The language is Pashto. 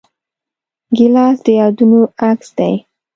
ګیلاس د یادونو عکس دی.